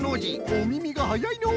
おみみがはやいのう！